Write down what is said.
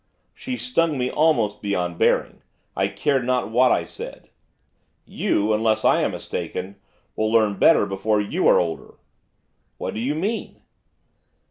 She stung me almost beyond bearing, I cared not what I said. 'You, unless I am mistaken, will learn better before you are older.' 'What do you mean?